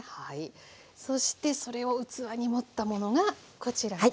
そしてそれを器に盛ったものがこちらです。